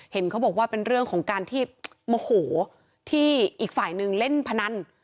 เห็นเขาบอกว่าเป็นเรื่องของการที่โมโหที่อีกฝ่ายนึงเล่นพนัน